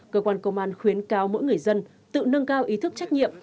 cơ quan công an khuyến cáo mỗi người dân tự nâng cao ý thức trách nhiệm